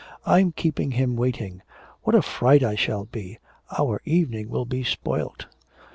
'I'm keeping him waiting. What a fright I shall be! Our evening will be spoilt.'